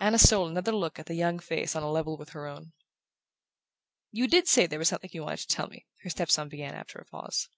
Anna stole another look at the young face on a level with her own. "You DID say there was something you wanted to tell me," her step son began after a pause.